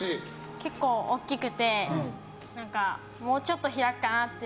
結構、大きくてもうちょっと開くかなって